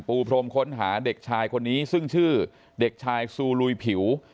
พรมค้นหาเด็กชายคนนี้ซึ่งชื่อเด็กชายซูลุยผิว